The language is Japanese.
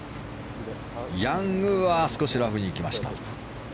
ヤングは少しラフに行きました。